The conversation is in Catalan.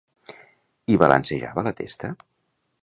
I balancejava la testa?